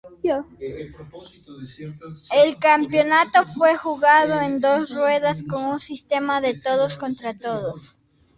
El campeonato fue jugado en dos ruedas con un sistema de todos-contra-todos.